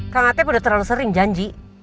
kang atep udah terlalu sering janji